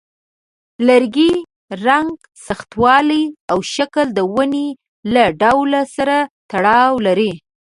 د لرګي رنګ، سختوالی، او شکل د ونې له ډول سره تړاو لري.